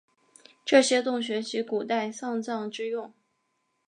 这些洞穴即古人丧葬之用。